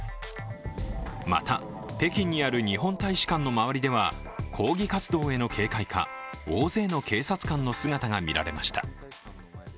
また、北京にある日本大使館の周りでは抗議活動への警戒か大勢の警察官の姿が見られました。